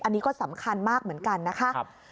อันนี้ก็สำคัญมากเหมือนกันนะคะ